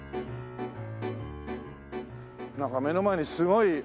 なんか目の前にすごい。